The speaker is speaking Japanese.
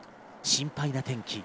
心配な天気。